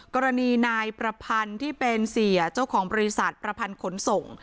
กรณีนายประพันธ์ที่เป็นเสียเจ้าของบริษัทประพันธ์ขนส่ง